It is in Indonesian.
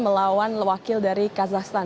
melawan wakil dari kazakhstan